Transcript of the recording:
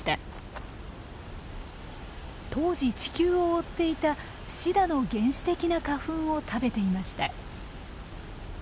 当時地球を覆っていたシダの原始的な花粉を食べていました。